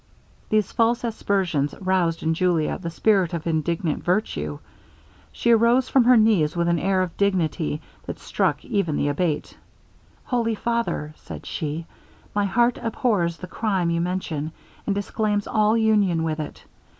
These false aspersions roused in Julia the spirit of indignant virtue; she arose from her knees with an air of dignity, that struck even the Abate. 'Holy father,' said she, 'my heart abhors the crime you mention, and disclaims all union with it.